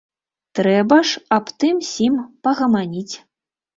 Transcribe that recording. Трэба ж аб тым-сім пагаманіць.